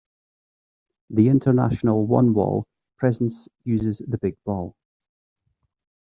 The International One Wall presence uses the big ball.